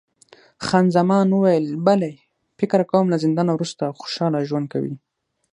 خان زمان وویل، بلی، فکر کوم له زندانه وروسته خوشحاله ژوند کوي.